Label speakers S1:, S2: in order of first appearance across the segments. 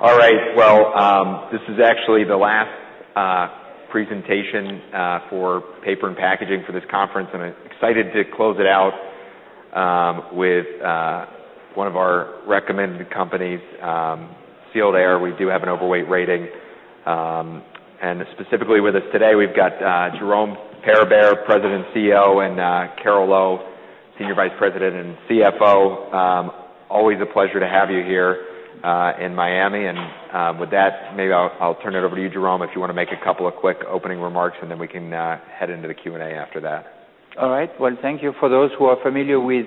S1: Well, this is actually the last presentation for paper and packaging for this conference, and I'm excited to close it out with one of our recommended companies, Sealed Air. We do have an overweight rating. Specifically with us today, we've got Jérôme Peribere, President and CEO, and Carol Lowe, Senior Vice President and CFO. Always a pleasure to have you here in Miami. With that, maybe I'll turn it over to you, Jérôme, if you want to make a couple of quick opening remarks, and then we can head into the Q&A after that.
S2: Well, thank you for those who are familiar with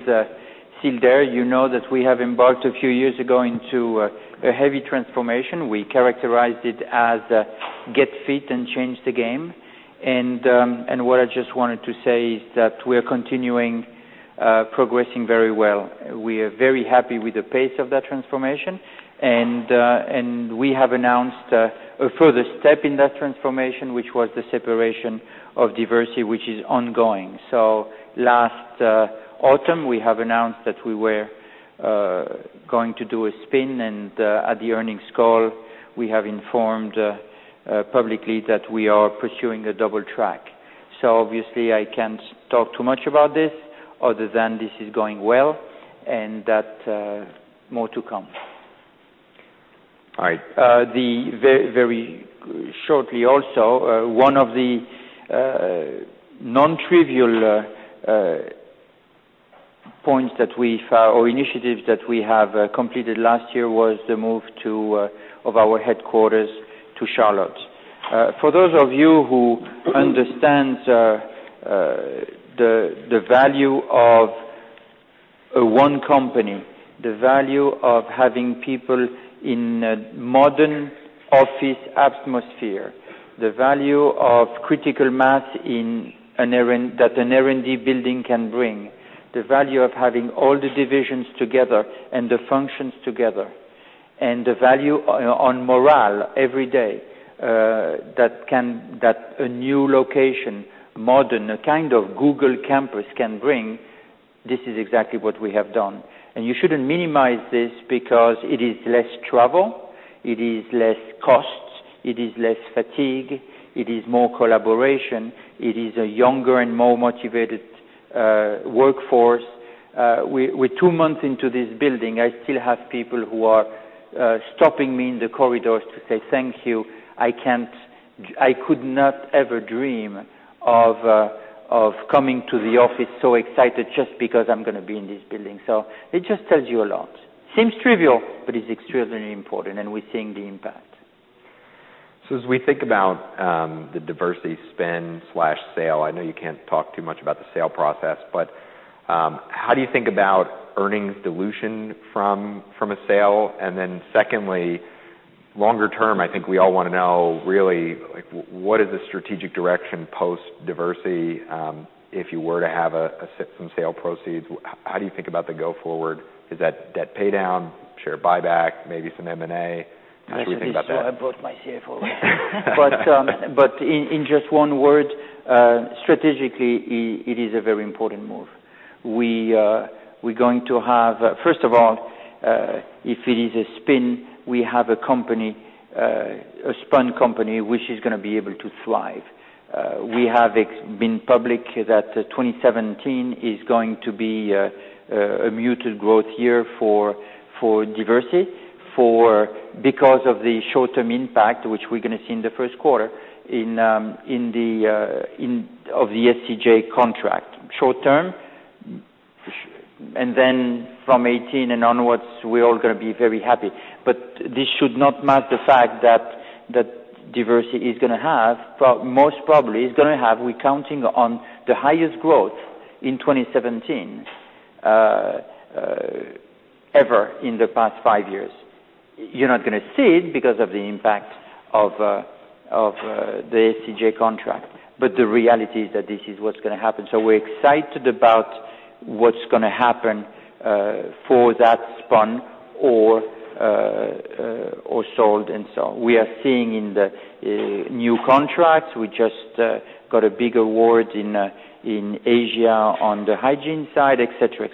S2: Sealed Air, you know that we have embarked a few years ago into a heavy transformation. We characterized it as Get Fit and Change the Game. What I just wanted to say is that we're continuing progressing very well. We are very happy with the pace of that transformation. We have announced a further step in that transformation, which was the separation of Diversey, which is ongoing. Last autumn, we have announced that we were going to do a spin, and at the earnings call, we have informed publicly that we are pursuing a double track. Obviously I can't talk too much about this other than this is going well and that more to come.
S1: All right.
S2: Very shortly also, one of the non-trivial initiatives that we have completed last year was the move of our headquarters to Charlotte. For those of you who understand the value of one company, the value of having people in a modern office atmosphere, the value of critical mass that an R&D building can bring, the value of having all the divisions together and the functions together, and the value on morale every day, that a new location, modern, a kind of Google campus can bring, this is exactly what we have done. You shouldn't minimize this because it is less travel, it is less costs, it is less fatigue, it is more collaboration. It is a younger and more motivated workforce. We're two months into this building. I still have people who are stopping me in the corridors to say, "Thank you. I could not ever dream of coming to the office so excited just because I'm going to be in this building." It just tells you a lot. Seems trivial, but it's extremely important and we're seeing the impact.
S1: As we think about the Diversey spin/sale, I know you can't talk too much about the sale process, but how do you think about earnings dilution from a sale? Secondly, longer term, I think we all want to know really, what is the strategic direction post Diversey, if you were to have some sale proceeds, how do you think about the go forward? Is that debt pay down, share buyback, maybe some M&A? How should we think about that?
S2: This is why I brought my CFO. In just one word, strategically, it is a very important move. First of all, if it is a spin, we have a spun company which is going to be able to thrive. We have been public that 2017 is going to be a muted growth year for Diversey, because of the short-term impact, which we're going to see in the first quarter of the SCJ contract. Short term, then from 2018 and onwards, we're all going to be very happy. This should not mask the fact that Diversey is going to have, most probably, we're counting on the highest growth in 2017 ever in the past five years. You're not going to see it because of the impact of the SCJ contract. The reality is that this is what's going to happen. We're excited about what's going to happen for that spun or sold and so on. We are seeing in the new contracts, we just got a big award in Asia on the hygiene side, et cetera.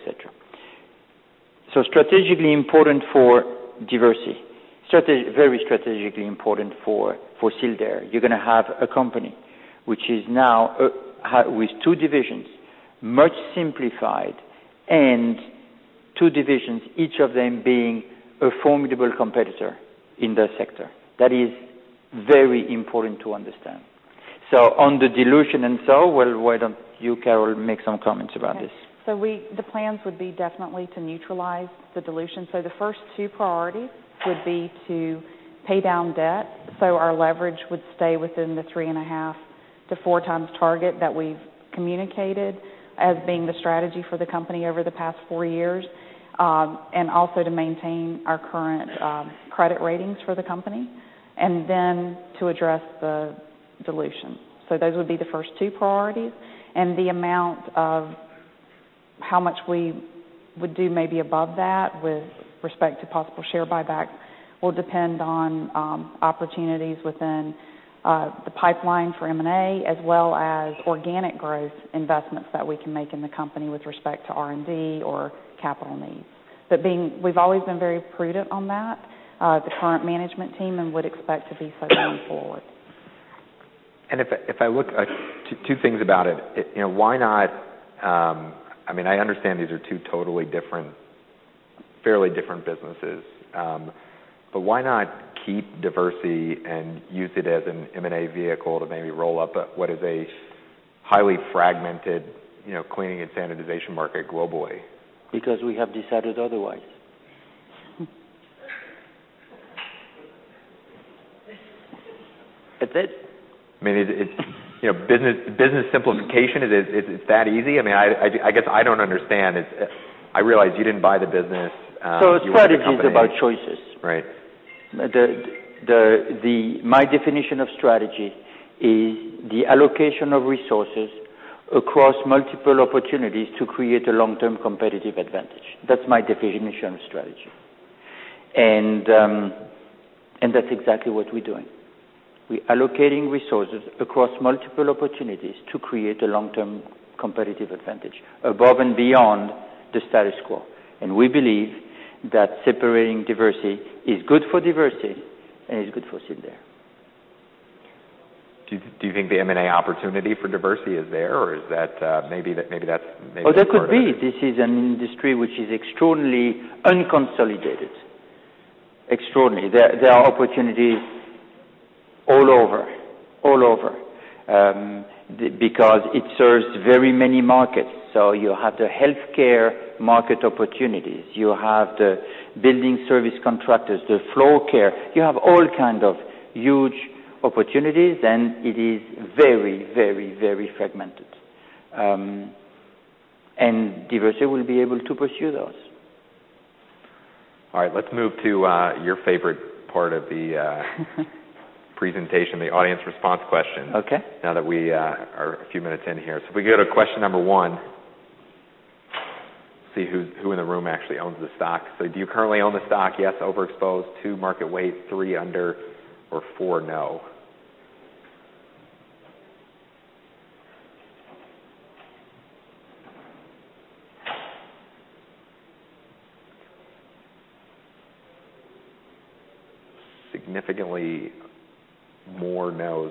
S2: Strategically important for Diversey. Very strategically important for Sealed Air. You're going to have a company which is now with two divisions, much simplified, and two divisions, each of them being a formidable competitor in their sector. That is very important to understand. On the dilution and so, well, why don't you, Carol, make some comments about this?
S3: Okay. The plans would be definitely to neutralize the dilution. The first two priorities would be to pay down debt, so our leverage would stay within the 3.5x-4x target that we've communicated as being the strategy for the company over the past four years, and also to maintain our current credit ratings for the company, and then to address the dilution. Those would be the first two priorities, and the amount of how much we would do maybe above that with respect to possible share buybacks will depend on opportunities within the pipeline for M&A, as well as organic growth investments that we can make in the company with respect to R&D or capital needs. We've always been very prudent on that, the current management team, and would expect to be so going forward.
S1: If I look at two things about it, I understand these are two fairly different businesses. Why not keep Diversey and use it as an M&A vehicle to maybe roll up what is a highly fragmented cleaning and sanitization market globally?
S2: Because we have decided otherwise. That's it.
S1: Business simplification, it's that easy? I guess I don't understand. I realize you didn't buy the business, you were given the business.
S2: It's partly also about choices.
S1: Right.
S2: My definition of strategy is the allocation of resources across multiple opportunities to create a long-term competitive advantage. That's my definition of strategy. That's exactly what we're doing. We're allocating resources across multiple opportunities to create a long-term competitive advantage above and beyond the status quo. We believe that separating Diversey is good for Diversey and is good for Sealed Air.
S1: Do you think the M&A opportunity for Diversey is there? Is that maybe that's maybe part of it.
S2: There could be. This is an industry which is extraordinarily unconsolidated. Extraordinary. There are opportunities all over, because it serves very many markets. You have the healthcare market opportunities. You have the building service contractors, the floor care. You have all kind of huge opportunities, and it is very fragmented. Diversey will be able to pursue those.
S1: All right, let's move to your favorite part of the presentation, the audience response questions.
S2: Okay.
S1: Now that we are a few minutes in here. If we go to question one, see who in the room actually owns the stock. Do you currently own the stock? Yes, overexposed, two, market weight, three, under, or four, no. Significantly more nos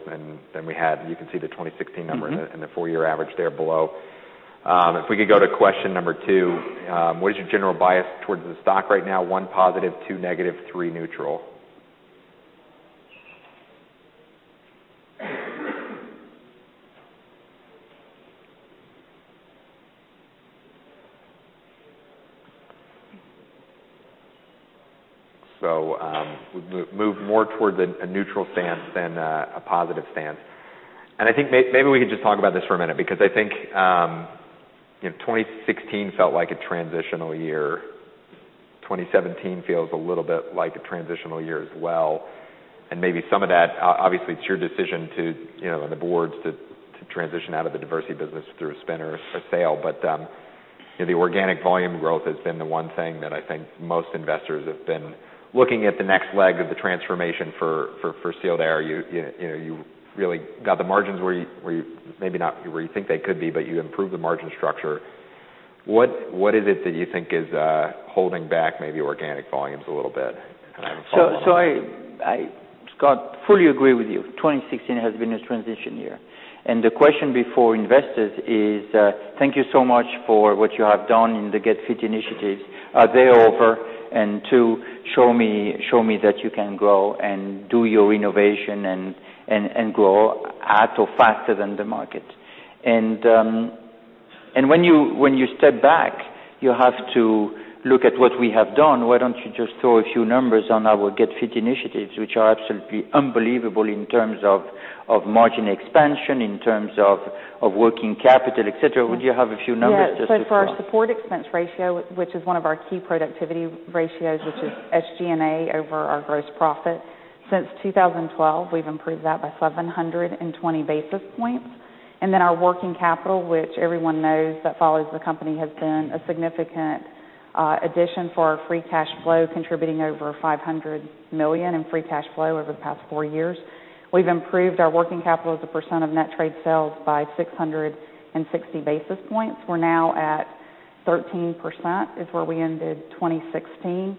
S1: than we had. You can see the 2016 number and the four-year average there below. If we could go to question two, what is your general bias towards the stock right now? One, positive, two, negative, three, neutral. We've moved more towards a neutral stance than a positive stance. I think maybe we could just talk about this for a minute, because I think 2016 felt like a transitional year. 2017 feels a little bit like a transitional year as well. Maybe some of that, obviously, it's your decision and the boards to transition out of the Diversey business through a spin or a sale. The organic volume growth has been the one thing that I think most investors have been looking at the next leg of the transformation for Sealed Air. You really got the margins where you, maybe not where you think they could be, but you improved the margin structure. What is it that you think is holding back maybe organic volumes a little bit? I can follow on that.
S2: Scott, fully agree with you. 2016 has been a transition year. The question before investors is, thank you so much for what you have done in the Get Fit initiatives. Are they over? Two, show me that you can grow and do your innovation and grow at or faster than the market. When you step back, you have to look at what we have done. Why don't you just throw a few numbers on our Get Fit initiatives, which are absolutely unbelievable in terms of margin expansion, in terms of working capital, et cetera. Would you have a few numbers just to throw out?
S3: Yeah. For our support expense ratio, which is one of our key productivity ratios, which is SG&A over our gross profit. Since 2012, we've improved that by 720 basis points. Our working capital, which everyone knows that follows the company, has been a significant addition for our free cash flow, contributing over $500 million in free cash flow over the past four years. We've improved our working capital as a percent of net trade sales by 660 basis points. We're now at 13%, is where we ended 2016.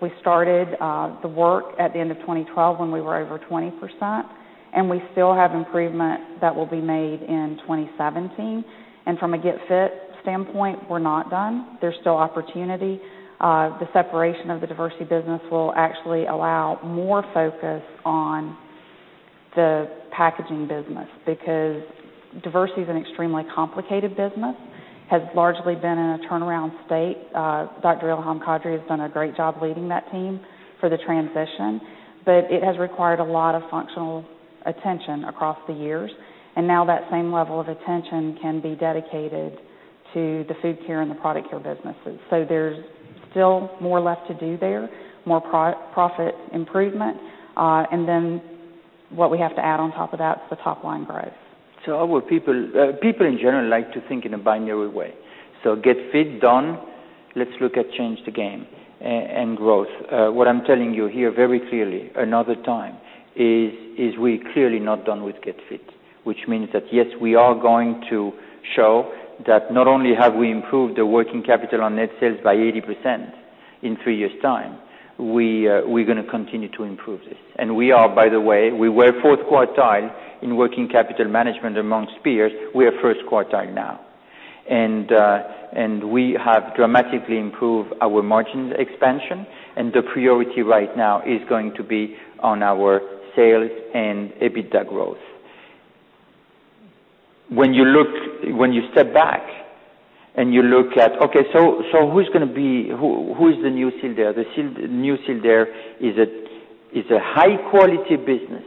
S3: We started the work at the end of 2012 when we were over 20%, and we still have improvement that will be made in 2017. From a Get Fit standpoint, we're not done. There's still opportunity. The separation of the Diversey business will actually allow more focus on the packaging business because Diversey is an extremely complicated business, has largely been in a turnaround state. Dr. Ilham Kadri has done a great job leading that team for the transition, but it has required a lot of functional attention across the years. Now that same level of attention can be dedicated to the Food Care and the Product Care businesses. There's still more left to do there, more profit improvement.
S1: What we have to add on top of that is the top-line growth.
S2: People in general like to think in a binary way. Get Fit, done. Let's look at Change the Game and growth. What I'm telling you here very clearly, another time, is we're clearly not done with Get Fit, which means that yes, we are going to show that not only have we improved the working capital on net sales by 80% in three years' time, we're going to continue to improve this. We are, by the way, we were fourth quartile in working capital management among peers. We are first quartile now. We have dramatically improved our margins expansion, and the priority right now is going to be on our sales and EBITDA growth. When you step back and you look at, okay, who's going to be who is the new Sealed Air? The new Sealed Air is a high-quality business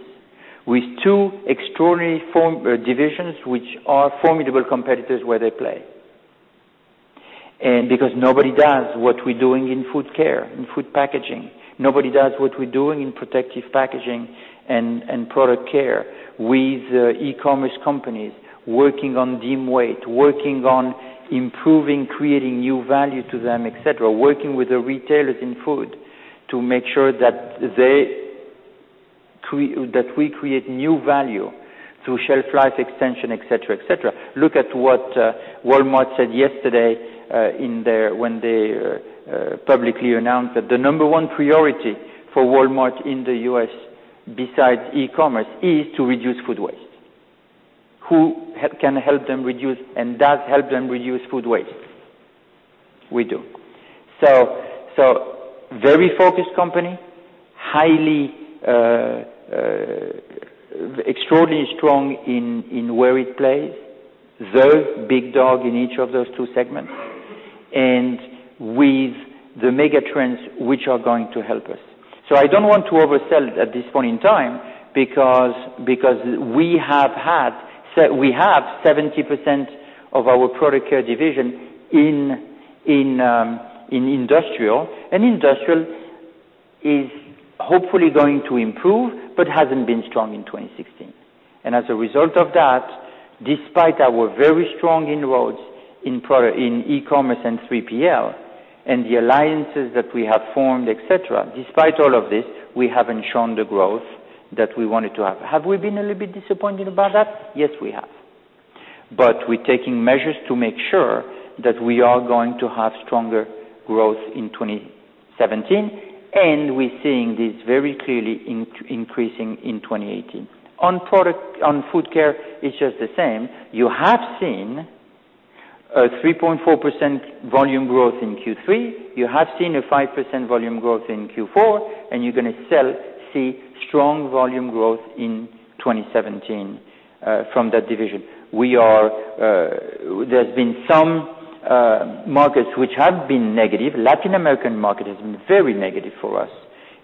S2: with two extraordinary divisions, which are formidable competitors where they play. Because nobody does what we're doing in Food Care, in food packaging. Nobody does what we're doing in Product Care with e-commerce companies, working on dimensional weight, working on improving, creating new value to them, et cetera. Working with the retailers in food to make sure that we create new value through shelf life extension, et cetera. Look at what Walmart said yesterday when they publicly announced that the number one priority for Walmart in the U.S., besides e-commerce, is to reduce food waste. Who can help them reduce and does help them reduce food waste? We do. Very focused company, extraordinary strong in where it plays. The big dog in each of those two segments. With the mega trends, which are going to help us. I don't want to oversell at this point in time because we have 70% of our Product Care division in industrial. Industrial is hopefully going to improve, but hasn't been strong in 2016. As a result of that, despite our very strong inroads in e-commerce and 3PL and the alliances that we have formed, et cetera, despite all of this, we haven't shown the growth that we wanted to have. Have we been a little bit disappointed about that? Yes, we have. We're taking measures to make sure that we are going to have stronger growth in 2017, and we're seeing this very clearly increasing in 2018. On Food Care, it's just the same. You have seen a 3.4% volume growth in Q3. You have seen a 5% volume growth in Q4, and you're going to see strong volume growth in 2017 from that division. There's been some markets which have been negative. Latin American market has been very negative for us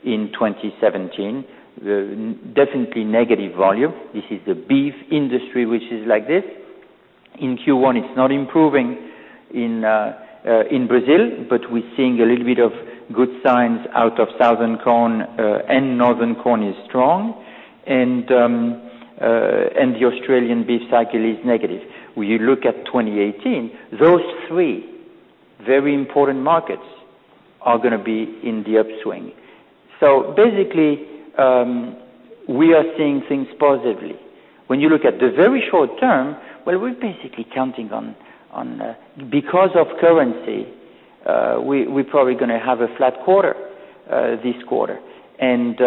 S2: in 2017. Definitely negative volume. This is the beef industry, which is like this. In Q1, it's not improving in Brazil, but we're seeing a little bit of good signs out of southern cone, and northern cone is strong. The Australian beef cycle is negative. When you look at 2018, those three very important markets are going to be in the upswing. Basically, we are seeing things positively. When you look at the very short term, well, we're basically counting on because of currency, we're probably going to have a flat quarter this quarter. We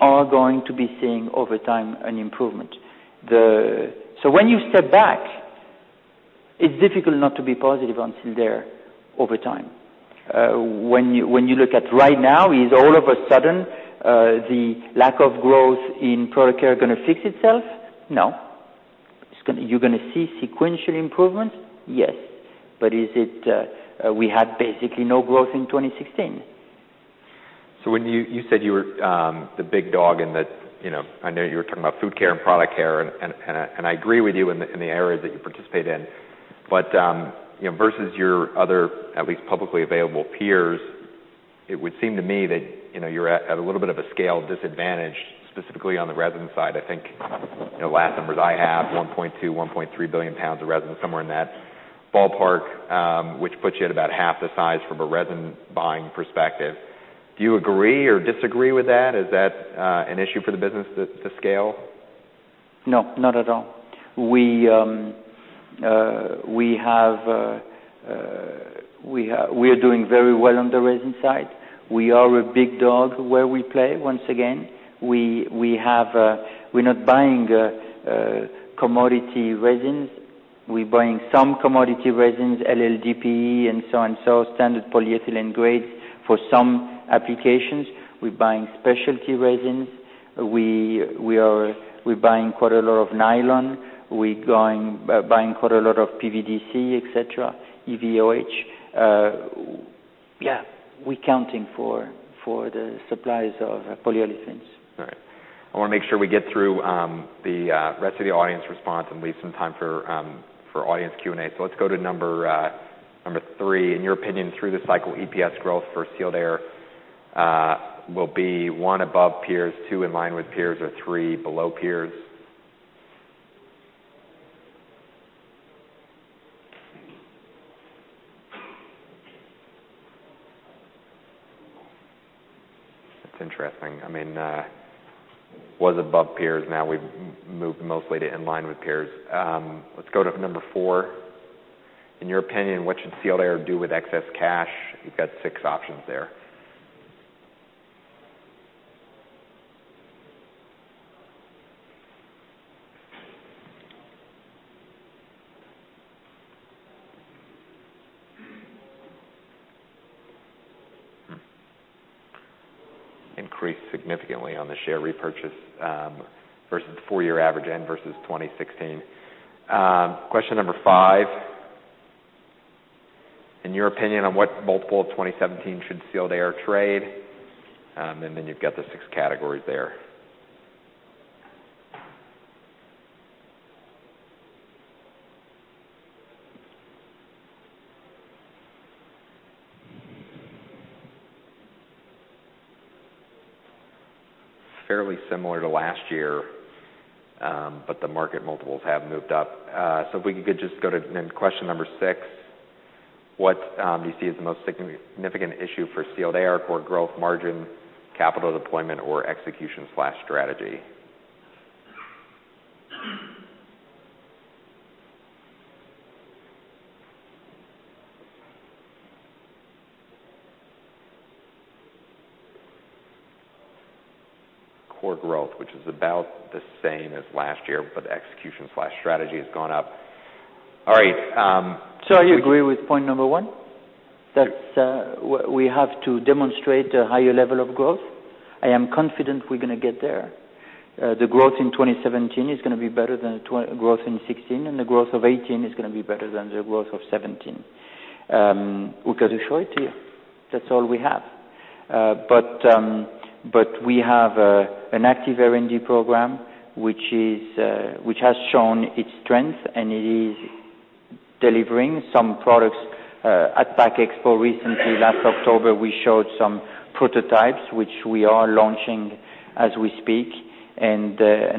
S2: are going to be seeing over time an improvement. When you step back, it's difficult not to be positive on Sealed Air over time. When you look at right now, is all of a sudden the lack of growth in Product Care going to fix itself? No. You're going to see sequential improvements? Yes. We had basically no growth in 2016.
S1: When you said you were the big dog in that-- I know you were talking about Food Care and Product Care, and I agree with you in the areas that you participate in. Versus your other, at least publicly available peers, it would seem to me that you're at a little bit of a scale disadvantage, specifically on the resin side. I think the last numbers I have, 1.2, 1.3 billion pounds of resin, somewhere in that ballpark, which puts you at about half the size from a resin buying perspective. Do you agree or disagree with that? Is that an issue for the business, the scale?
S2: No, not at all. We are doing very well on the resin side. We are a big dog where we play, once again. We're not buying commodity resins. We're buying some commodity resins, LLDPE and so and so, standard polyethylene grades for some applications. We're buying specialty resins. We're buying quite a lot of nylon. We're buying quite a lot of PVDC, et cetera, EVOH. Yeah, we are accounting for the supplies of polyolefins.
S1: All right. I want to make sure we get through the rest of the audience response and leave some time for audience Q&A. Let's go to number three, in your opinion, through the cycle, EPS growth for Sealed Air will be, one, above peers, two, in line with peers, or three, below peers? That's interesting. It was above peers, now we've moved mostly to in line with peers. Let's go to number four. In your opinion, what should Sealed Air do with excess cash? You've got six options there. Increased significantly on the share repurchase versus four-year average and versus 2016. Question number five, in your opinion, on what multiple of 2017 should Sealed Air trade? And then you've got the six categories there. Fairly similar to last year, the market multiples have moved up. If we could just go to question number six, what do you see as the most significant issue for Sealed Air? Core growth, margin, capital deployment, or execution/strategy? Core growth, which is about the same as last year, execution/strategy has gone up. All right.
S2: I agree with point number one.
S1: Sure.
S2: That we have to demonstrate a higher level of growth. I am confident we're going to get there. The growth in 2017 is going to be better than growth in 2016, and the growth of 2018 is going to be better than the growth of 2017. We got to show it here. That's all we have. We have an active R&D program, which has shown its strength, and it is delivering some products. At PACK EXPO recently, last October, we showed some prototypes, which we are launching as we speak. We're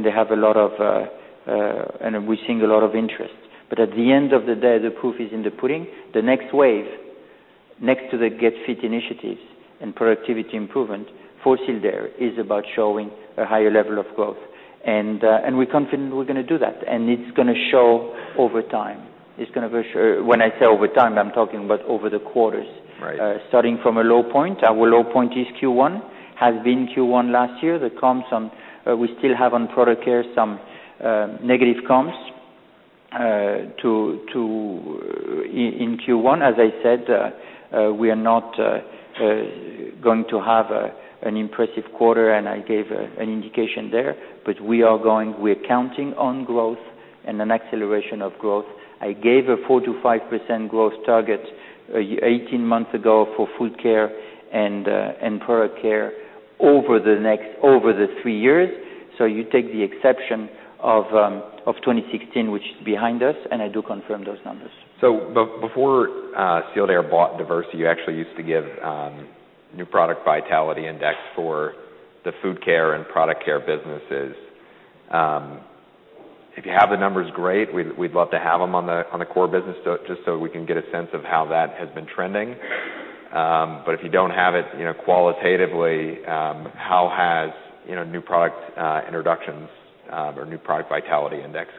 S2: seeing a lot of interest. At the end of the day, the proof is in the pudding. The next wave, next to the Get Fit initiatives and productivity improvement for Sealed Air, is about showing a higher level of growth. We're confident we're going to do that, and it's going to show over time. When I say over time, I'm talking about over the quarters.
S1: Right.
S2: Starting from a low point. Our low point is Q1, has been Q1 last year. We still have on Product Care some negative comps in Q1. As I said, we are not going to have an impressive quarter, and I gave an indication there. We're counting on growth and an acceleration of growth. I gave a 4%-5% growth target 18 months ago for Food Care and Product Care over the three years. You take the exception of 2016, which is behind us, and I do confirm those numbers.
S1: Before Sealed Air bought Diversey, you actually used to give New Product Vitality Index for the Food Care and Product Care businesses. If you have the numbers, great. We'd love to have them on the core business just so we can get a sense of how that has been trending. If you don't have it, qualitatively, how has new product introductions or New Product Vitality Index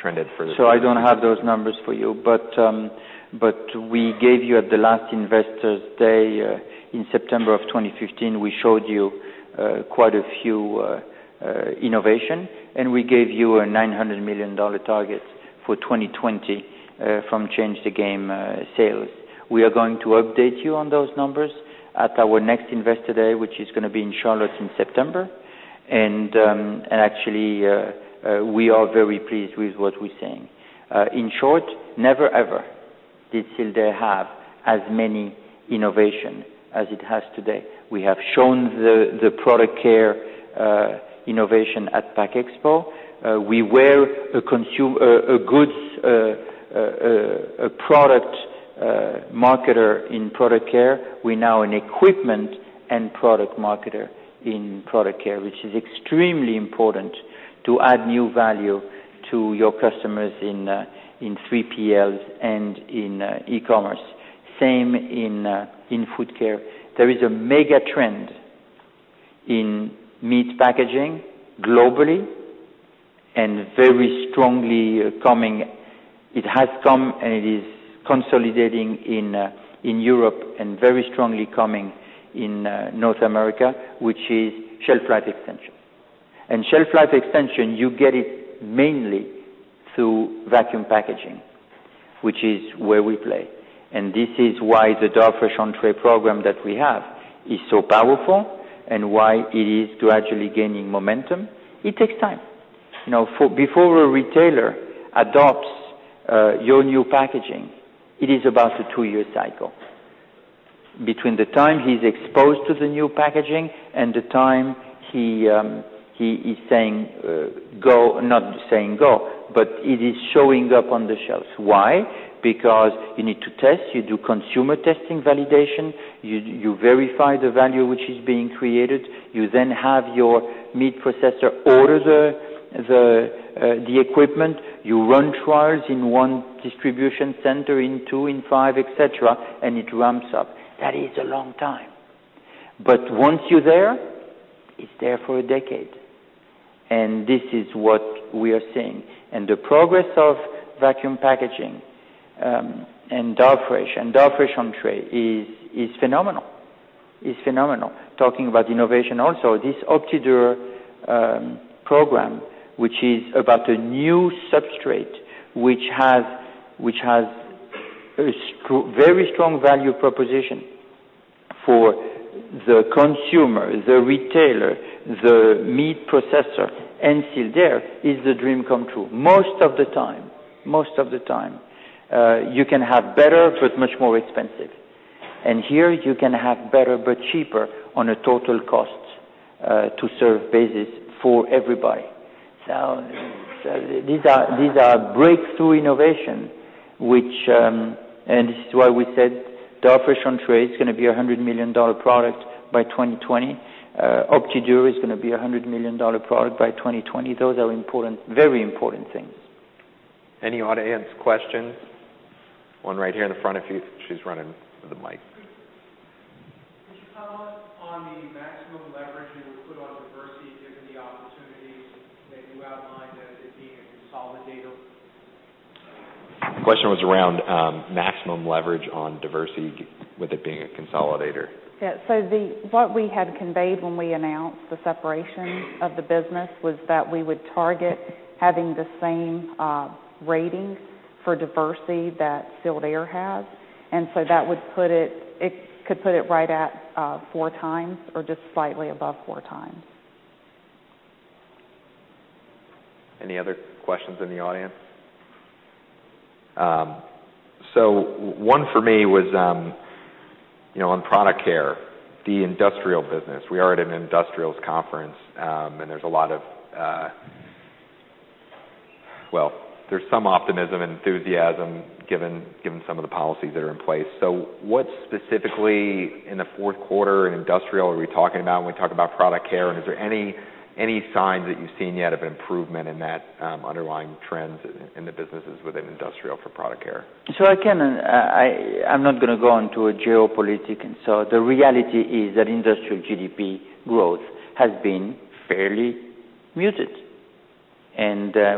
S1: trended for the-
S2: I don't have those numbers for you, we gave you at the last Investors Day in September 2015, we showed you quite a few innovation, we gave you a $900 million target for 2020 from Change the Game sales. We are going to update you on those numbers at our next Investor Day, which is going to be in Charlotte in September. Actually, we are very pleased with what we're seeing. In short, never ever did Sealed Air have as many innovation as it has today. We have shown the Product Care innovation at PACK EXPO. We were a product marketer in Product Care. We're now an equipment and product marketer in Product Care, which is extremely important to add new value to your customers in 3PLs and in e-commerce. Same in Food Care. There is a mega trend in meat packaging globally and very strongly coming. It has come, and it is consolidating in Europe and very strongly coming in North America, which is shelf life extension. Shelf life extension, you get it mainly through vacuum packaging, which is where we play. This is why the Fresh Entrée program that we have is so powerful and why it is gradually gaining momentum. It takes time. Before a retailer adopts your new packaging, it is about a two-year cycle Between the time he's exposed to the new packaging and the time he is Not saying go, but it is showing up on the shelves. Why? Because you need to test, you do consumer testing validation, you verify the value which is being created. You then have your meat processor order the equipment. You run trials in one distribution center, in two, in five, et cetera, it ramps up. That is a long time. Once you're there, it's there for a decade, this is what we are seeing. The progress of vacuum packaging, Darfresh, and Darfresh on Tray is phenomenal. Talking about innovation also, this OptiDure program, which is about a new substrate, which has a very strong value proposition for the consumer, the retailer, the meat processor, and Sealed Air, is the dream come true. Most of the time, you can have better, but much more expensive. Here you can have better, but cheaper on a total cost, to serve basis for everybody. These are breakthrough innovation, this is why we said Darfresh on Tray is going to be a $100 million product by 2020. OptiDure is going to be a $100 million product by 2020. Those are very important things.
S1: Any audience questions? One right here in the front if you. She's running the mic.
S4: Could you comment on the maximum leverage you will put on Diversey given the opportunities that you outlined as it being a consolidator?
S1: The question was around maximum leverage on Diversey with it being a consolidator.
S3: Yeah. What we had conveyed when we announced the separation of the business was that we would target having the same ratings for Diversey that Sealed Air has. That could put it right at four times or just slightly above four times.
S1: Any other questions in the audience? One for me was, on Product Care, the industrial business. We are at an industrials conference, and there's a lot of Well, there's some optimism and enthusiasm given some of the policies that are in place. What specifically in the fourth quarter in industrial are we talking about when we talk about Product Care? Is there any signs that you've seen yet of improvement in that underlying trends in the businesses within industrial for Product Care?
S2: I'm not going to go into a geopolitic. The reality is that industrial GDP growth has been fairly muted.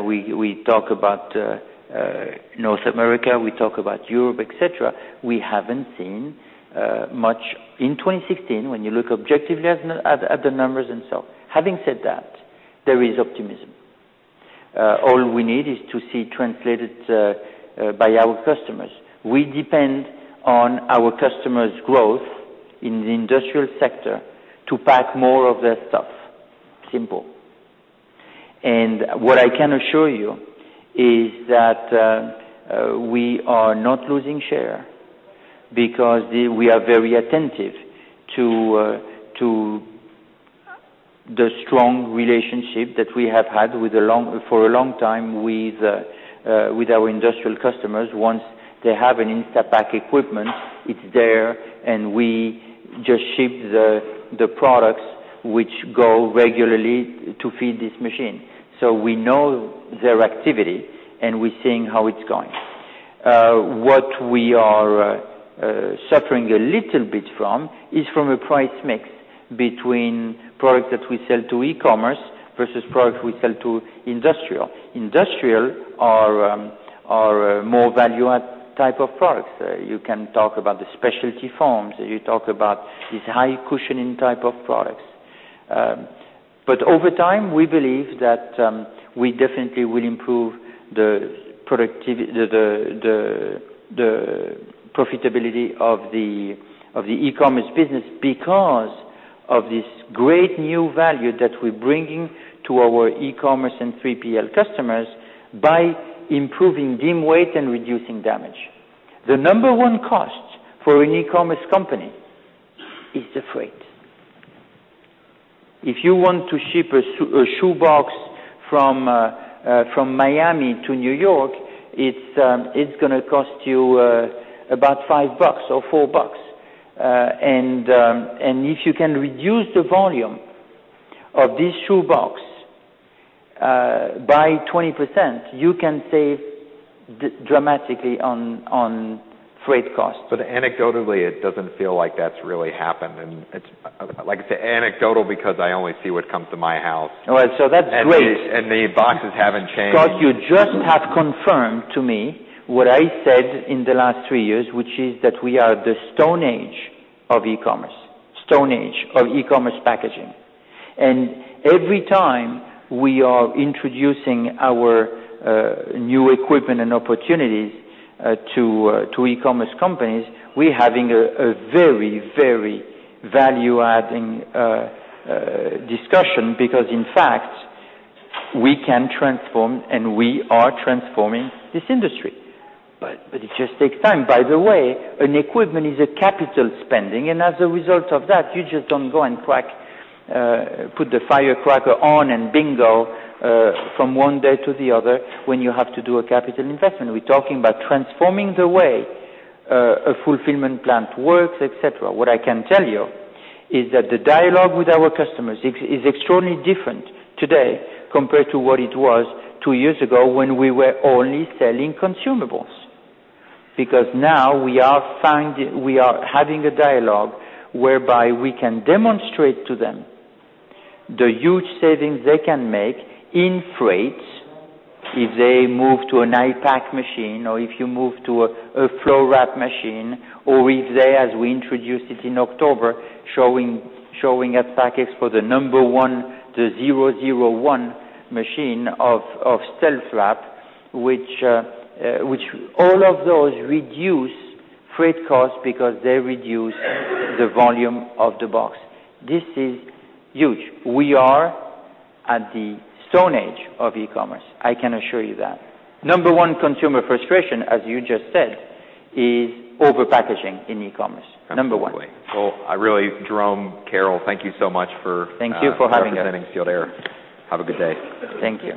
S2: We talk about North America, we talk about Europe, et cetera. We haven't seen much in 2016 when you look objectively at the numbers. Having said that, there is optimism. All we need is to see translated by our customers. We depend on our customers' growth in the industrial sector to pack more of their stuff. Simple. What I can assure you is that we are not losing share because we are very attentive to the strong relationship that we have had for a long time with our industrial customers. Once they have an Instapak equipment, it's there, and we just ship the products which go regularly to feed this machine. We know their activity, and we're seeing how it's going. What we are suffering a little bit from is from a price mix between products that we sell to e-commerce versus products we sell to industrial. Industrial are more value-add type of products. You can talk about the specialty foams. You talk about these high cushioning type of products. Over time, we believe that we definitely will improve the profitability of the e-commerce business because of this great new value that we're bringing to our e-commerce and 3PL customers by improving dimensional weight and reducing damage. The number one cost for an e-commerce company is the freight. If you want to ship a shoe box from Miami to New York, it's going to cost you about $5 or $4. If you can reduce the volume of this shoe box by 20%, you can save dramatically on freight costs.
S1: Anecdotally, it doesn't feel like that's really happened. It's anecdotal because I only see what comes to my house.
S2: All right. That's great.
S1: The boxes haven't changed.
S2: Scott, you just have confirmed to me what I said in the last three years, which is that we are the Stone Age of e-commerce. Stone Age of e-commerce packaging. Every time we are introducing our new equipment and opportunities to e-commerce companies, we're having a very value-adding discussion because, in fact, we can transform, and we are transforming this industry. It just takes time. By the way, an equipment is a capital spending, and as a result of that, you just don't go and put the firecracker on and bingo, from one day to the other when you have to do a capital investment. We're talking about transforming the way a fulfillment plant works, et cetera. What I can tell you is that the dialogue with our customers is extraordinarily different today compared to what it was two years ago when we were only selling consumables. We are having a dialogue whereby we can demonstrate to them the huge savings they can make in freight if they move to an I-Pack machine or if you move to a FloWrap machine, or if they, as we introduced it in October, showing at PACK EXPO the number one, the 001 machine of StealthWrap, which all of those reduce freight costs because they reduce the volume of the box. This is huge. We are at the Stone Age of e-commerce. I can assure you that. Number one consumer frustration, as you just said, is overpackaging in e-commerce. Number one.
S1: Absolutely. Well, I really Jérôme, Carol, thank you so much for
S2: Thank you for having us
S1: representing Sealed Air. Have a good day.
S2: Thank you.